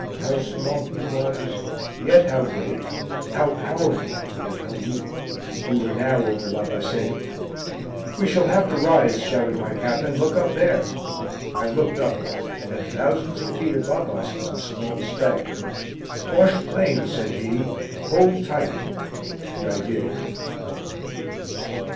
How small he was, yet how great; how powerful, yet how weak! We were now over La Bassée. "We shall have to rise," shouted my companion. "Look up there." I looked up, and thousands of feet above us was a small speck. "Bosche plane," said he. "Hold tight!" And I did.